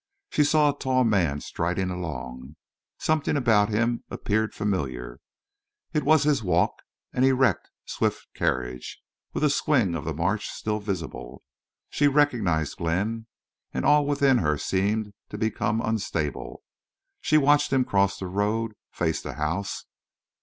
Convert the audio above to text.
She saw a tall man striding along. Something about him appeared familiar. It was his walk—an erect swift carriage, with a swing of the march still visible. She recognized Glenn. And all within her seemed to become unstable. She watched him cross the road, face the house.